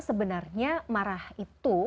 sebenarnya marah itu